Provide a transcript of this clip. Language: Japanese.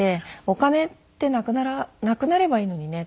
「お金ってなくなればいいのにね」